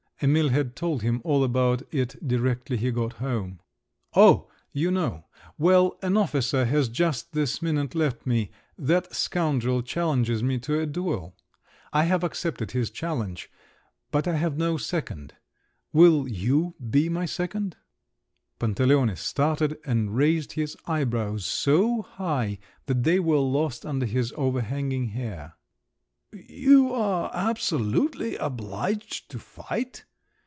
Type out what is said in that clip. (Emil had told him all about it directly he got home.) "Oh, you know! Well, an officer has just this minute left me. That scoundrel challenges me to a duel. I have accepted his challenge. But I have no second. Will you be my second?" Pantaleone started and raised his eyebrows so high that they were lost under his overhanging hair. "You are absolutely obliged to fight?"